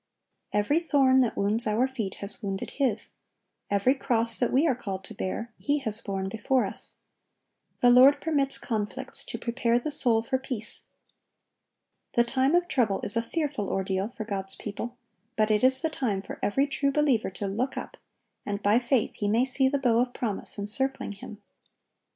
Every thorn that wounds our feet has wounded His. Every cross that we are called to bear, He has borne before us. The Lord permits conflicts, to prepare the soul for peace. The time of trouble is a fearful ordeal for God's people; but it is the time for every true believer to look up, and by faith he may see the bow of promise encircling him.